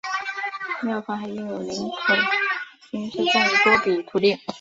庙方还拥有林口新市镇多笔土地。